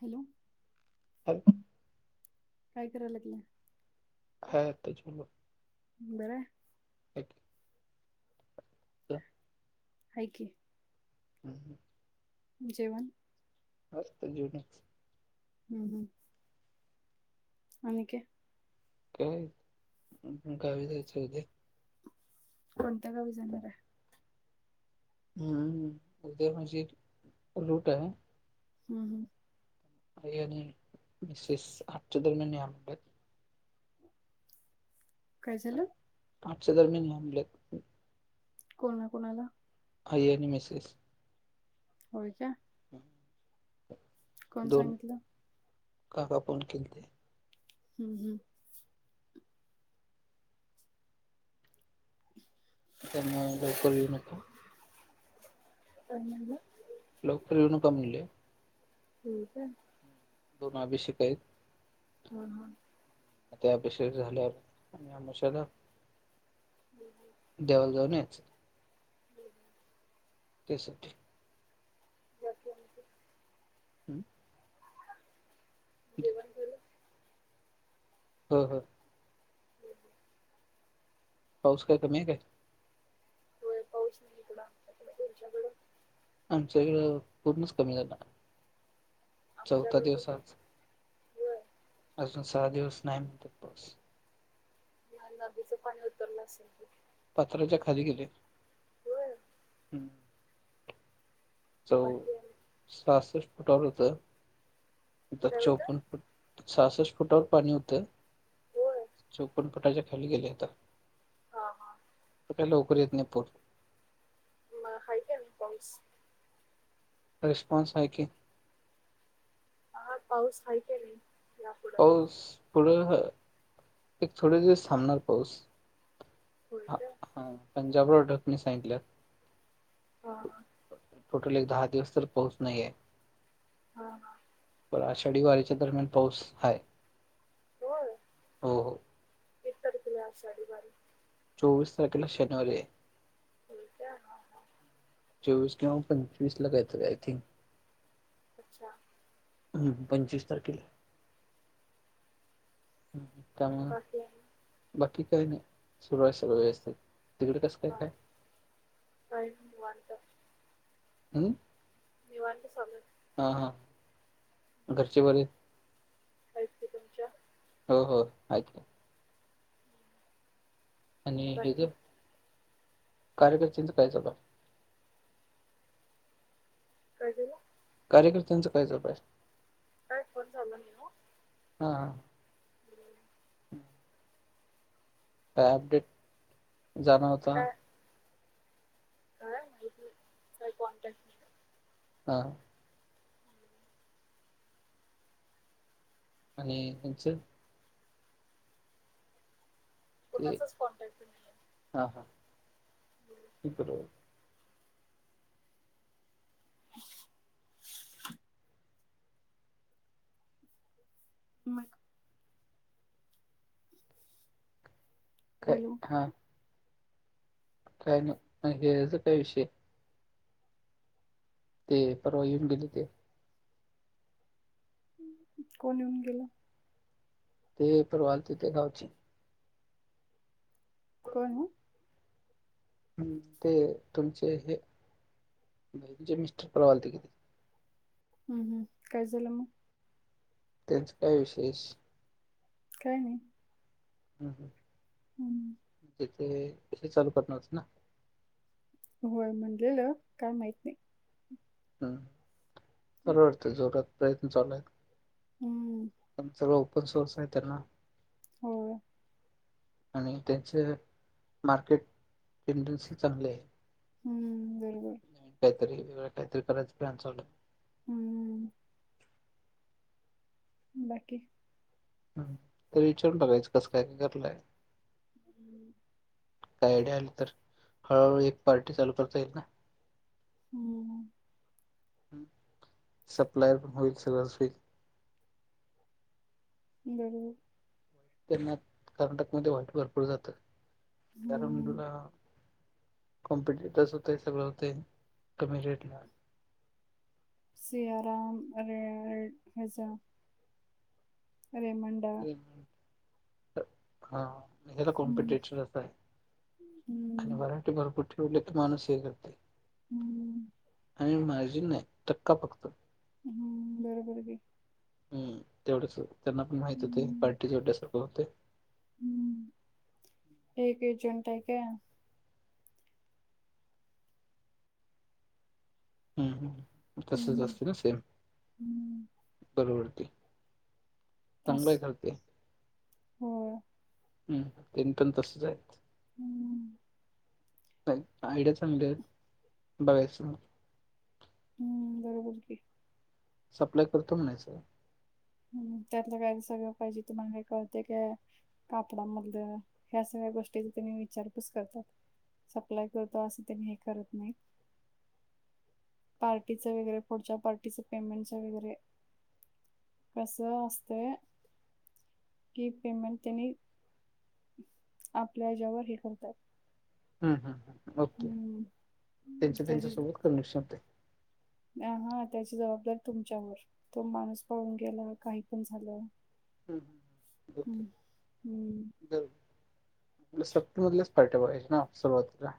Hello. Hello. काय करायलात म? हा [unintelligible] बरय. [unintelligible] अ हाय की. हं. जेवण? मस्त जुन. हम् हम्. आणि काय? काय गावी जायचय उद्या. कोणत्या गावी जाणार आहे? हम्म. उद्या माझी एक [unintelligible] आहे. हम् हम. आई आणि मिसेस [unintelligible] दरम्यान [unintelligible] काय झालं? आठच्या दरम्यान म्हणलं. कोणा कोणाला? आई आणि मिसेस. होय का? हम्. कोण दोन. सांगितलं काका पन गेलते. हम् हम्. त्यांना लई पळवू नका. कोण म्हणलं? लवकर येऊ नका म्हणल. होय का? दोन अभिषेक आहेत. हो ह. आता अभिषेक झाल्यावर आणि अमावस्यला - [unintelligible] [unintelligible] देवाला जाऊन यायचं. [unintelligible] त्यासाठी. [unintelligible] हां जेवण केलं? हो, हो, पाऊस काय कमी आहे काय? होय. पाऊस थांबला. तुमच्याकड? आमच्या इकडं पूर्णच कमी झाला. चौथा दिवस आज. अजून सहा दिवस नाही पाऊस नदीचं पाणी उतरलं असेल. पात्राच्या खाली गेल. चौ सहासष्ट फुटावर होत. आता चौपन्न फुट सासष्ट फुटावर पाणी होतं. चौपन फूटाच्या खाली गेले आता. हा, हा. काय लवकर येत नाही पूर हाय की नाही पाऊस रिस्पॉन्स आहे की काय पाऊस थांबता येईल. यापुढे, पाऊस पुढ एक थोड दिवस थांबणार पाऊस हा, पंजाबराव वडक कणी सांगितल्यात. हा, टोटल एक दहा दिवस तर पाऊस नाहीये. पण आषाढी वारीच्या दरम्यान पाऊस हाय. हो, हो. एकवीस तारखेला आषाढी वारी. चोवीस तारखेला शनिवारी आहे. ठीक आहे. हा, हा. चोवीस किंवा पंचवीसला कायतर आहे आय थिंक अच्छा हम पंचवीस तारखेला. हम हम त्यामुळे बाकी काही नाही सुरू आहे सर्व व्यवस्थित तिकडे कसं काय काय? काय नाही निवांत हम निवांत चालू आहे. हां हां घरचे बरे आहे? आहेत की तुमच्या? हो हो आहेत की. आणि हेच जर कार्यकर्तेचं काय चालू आहे. काय झालं. कार्यकर्त्यांच काय चालू आहे? काय फोन चालू आहे नव्ह. हा हा हम काय अपडेट जाणार आता. काय माहिती काही कॉन्टॅक्ट नाही. हा आणि तुमचं ते कोणाचच कॉन्टॅक्ट नाही. हा हा [unintelligible] मग काय, हॅलो हा. काय म हेच होता विषय. ते परवा येऊन गेलो ते. कोण येऊन गेल. ते परवा आलते ते गावचे. कोण ओ? ते तुमचे हे, मिस्टर परवा आलते. हम्म हम्, काय झालं मग? त्यांच काय विशेष. काय नाही. हम्म [unintelligible] होय म्हटलेलं काय माहित नाही. हम्म, बरोबर ते जोरात प्रयत्न चालूय. हम्म. [unintelligible] सोर्स आहे त्यांना. होय. आणि त्यांच मार्केट टेंडन्सी चांगली आहे. हम्म बरोबर. काहीतरी वगळं काहीतरी करायंच प्लान चालू आहे. हम्म. बाकी. हम् तरी विचारून बघाच कस काय कारालाय. काय आयडिया आली तर, हळूहळू एक पार्टी चालू करता येईल ना. हम्म. सप्लाय पण होईल सगळच हुईल. बरोबर. त्यांना कर्नाटकमध्ये वाईट भरपूर जातात, हम्म [unintelligible] कॉम्पिटेटस होते सगळं होते, कमी रेट ला. Siyaram [unintelligible] hedge Raymond. हा. हेला हम्म कॉम्पिटेशिन अस हाय, आणि हम्म मराठी भरपूर ठेवले तर माणूस हे करतय. हम्म. आणि माझी नाही, टक्का फक्त. हम्म बरोबर [unintelligible] हम् तेवढेच त्यांना पण माहित होते हम्म पार्टीचे एवढे सारखं होतय. हम्म, ते एक एजंट हाय का. हम् हम, तसच हम्म असत ना सेम. हम्म बरोबर ते, अस चांगलंय करते. होय. हम्, तेन पण तसच हायत. हम्म. नाही आयडिया चांगलीय, बघायच म. हम्म बरोबर की. सप्लाय करतो म्हणायचं. हम्म त्यातलं काही सगळं पाहिजे तुम्हाला कळतय काय? कापडामधलं ह्या सगळ्या गोष्टी त्यांनी विचारपूस करतात. सप्लाय करतो असं त्यांनी हे करत नाहीत. पार्टीचं वगैरे पुढच्या पार्टीचं पेमेंटच वगैरे कस असतंय की पेमेंट त्यांनी आपल्या हेज्या वर हे करतात. हम हम म ओके, हम्म त्यांच्या त्यांच्या सोबत कमीशन होतय. हा हा त्याची जबाबदारी तुमच्यावर. तो माणूस पाळून गेला काही पण झालं. हम्म हम्म. ओके हम् हम्म [unintelligible] पाहिजे ना सुरुवातीला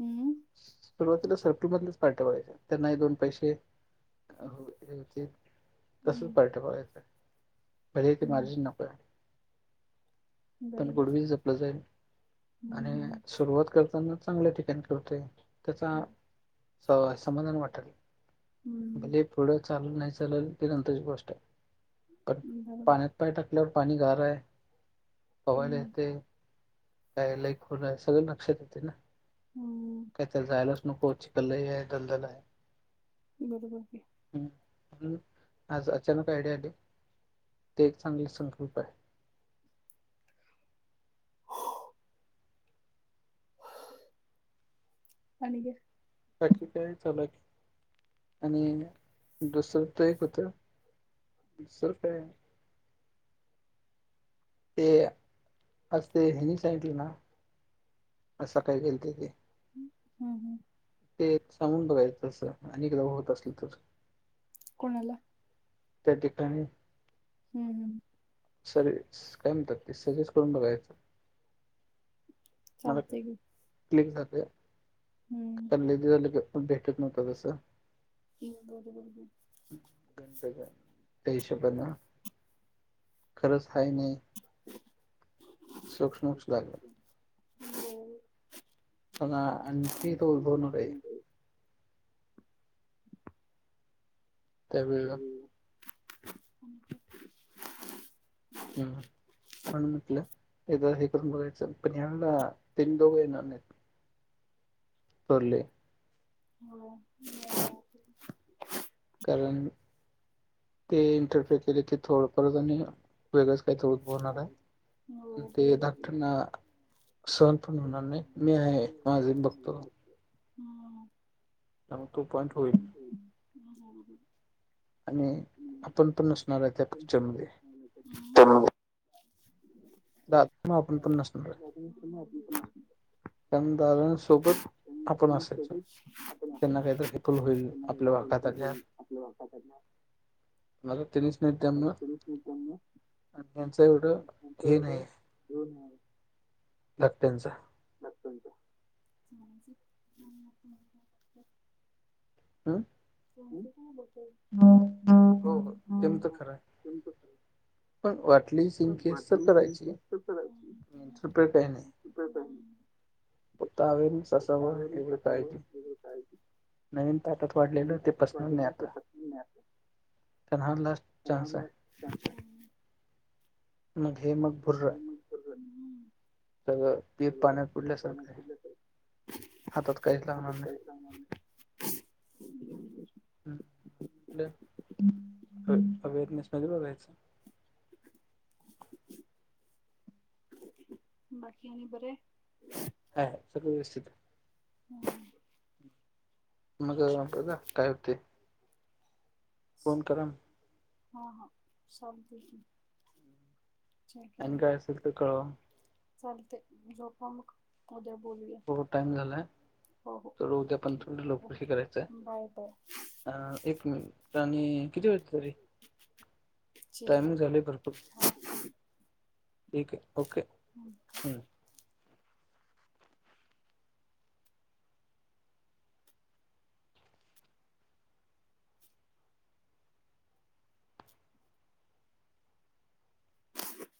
हम् सुरुवातीला [unintelligible] त्यांना हे दोन पैसे [unintelligible] हम्म तसच [unintelligible] म्हणजे ते हम्म. मार्जिन नकोय. पण बरोबर गुडविल जपलं जाईल. आणि हम्म सुरुवात करताना चांगल्या ठिकाणी. त्याचा अ समाधान वाटल. हम्म भले पुढं चालल नाही चालल ते नंतरची गोष्ट आहे. पण बरोबर पाण्यात पाय टाकल्यावर पाणी गार हाय पवायला हम्म येतय काय [unintelligible] आहे सगळं लक्षात येतय ना हम् काय त्याला जायलास नको चिखल लय हाय, दलदल आहे बरोबर की. हम् आज अचानक आयडिया आली ते एक चांगले संकल्प आहे. आणि काय? बाकी काय चालूय आणि दुसरं त एक होतं. सर्फय ते अस ते हेनी सांगितलं ना आज सकाळी केलते ते हम् हम् ते सांगून बघायचं तस आणिएकदा होत असल तर कोणाला. त्या ठिकाणी. हम् हम् सर्स काय म्हणतात ते सजेस्ट करून बघायचं. मला चालतंय की क्लिक झालं. हम्म [unintelligible] भेटत नव्हतं तसं [unintelligible] बरोबल. त्या हिशोबान. खरंच हाय नाही. [inaudible] सूक्ष्मक्ष झालं. होम. आ आणखी तोल्बवण. त्यावेळ का. [inaudible] हम् म्हण म्हटलंदा हे करून बघायचं पण या तीन दोघ येणार नाही करले. हो ब. कारण ते इंटरफेर केले क थोडफत वेगळंच काही तर उद्भवणार आहे. हो ते बरोबर की डाक्टर ना आहे माझे बघतो हम्म. त्या मग तो पॉइंट होईल. आणि आपण पण नसणारय त्या पिक्चरमध्ये. [unintelligible] [unintelligible] आपण पण नसणारय. [inaudible] दुकानदारांसोबत. आपण असायचो सोबत आपण असू. त्यांना काहीत हेपल होईल त्यांना त्याचा आपल्या वागात हेल्पफुल आल्या. होईल आपल्या वापराकडनं मला त्यांनीच नाही म्हणजे त्यांना तरी मित्रांनो आणि त्यांच एवढं हे नाही. होन. लटचा बतत आ. ह बत. हो ते तर खरं आहे. तुमचं खरं. पण वाटली पण सिंकस तर वाटली करायची तुमची न तर प काही नाही. तप. पुतावेन ससाव हेव कशावर कायज. वेगळं करायची नवीन ताटात म्हणून वाढलेलं ते त्याच्यात पसनल नाही वाटलेलं ते आता. पत्नी नाही असं त्यांन ह लास्ट चा्स आहे. अच्छा. मग हे मग भुर्र सगळं पीठ पाण्यात पाण्या बुडल्यासारखं आहे हातात काहीच आता लागणार नाही. काही सांगणार नाही. हरनेस मध्ये बाकीनी बरे. हां सगळ व्यवस्थित आहे. हम. मग बघा काय होते. फोन करा हा हा सम क. का आणि मग काय असेल तर कळवा चालते जो आप मग उद्या बोलया थो टाइम झालाय तरथ उद्या पण थ ठीक लकर ह ओके करायचं आहे. बाय बाय अ एक मिनिट आणि किती वाजलं तरी ठीक आहे टायमिंग झाले भरपूर. ठीक आहे, ओके.